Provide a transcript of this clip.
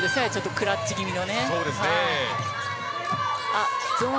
クラッチ気味の。